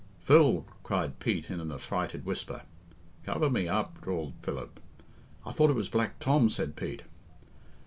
"Phil!" cried Pete, in an affrighted whisper. "Cover me up," drawled Philip. "I thought it was Black Tom," said Pete.